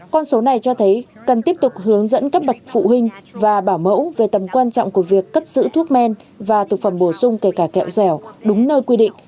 con số này cho thấy cần tiếp tục hướng dẫn các bậc phụ huynh và bảo mẫu về tầm quan trọng của việc cất giữ thuốc men và thực phẩm bổ sung kể cả kẹo dẻo đúng nơi quy định